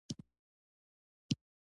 زموږ ملګري یو یو تېر شول.